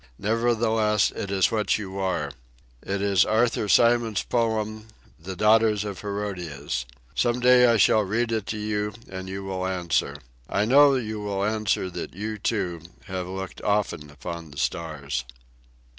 "Nevertheless, it is what you are. It is Arthur Symon's poem, The Daughters of Herodias. Some day I shall read it to you, and you will answer. I know you will answer that you, too, have looked often upon the stars."